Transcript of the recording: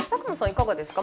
いかがですか？